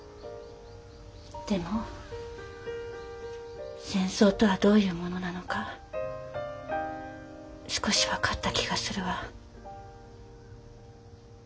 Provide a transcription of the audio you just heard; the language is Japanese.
でも戦争とはどういうものなのか少し分かった気がするわ。